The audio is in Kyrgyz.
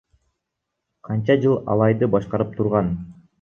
Канча жыл Алайды башкарып турган.